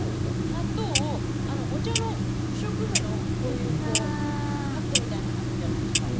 納豆をお茶の不織布のこういうパックみたいなのあるじゃないですか。